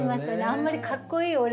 あんまり「かっこいい俺！」